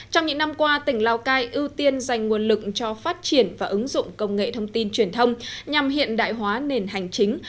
trong những năm qua tỉnh lào cai ưu tiên dành nguồn lực cho phát triển và ứng dụng công nghệ thông tin truyền thông nhằm hiện đại hóa nền hành chính